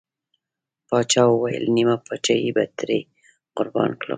پاچا وويل: نيمه پاچاهي به ترې قربان کړم.